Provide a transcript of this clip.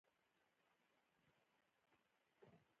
عصري تعلیم مهم دی ځکه چې روبوټکس ته لاسرسی ورکوي.